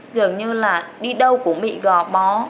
dường như là đi đâu cũng bị gò bó